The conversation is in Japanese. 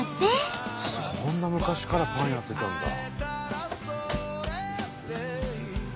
そんな昔からパンやってたんだ。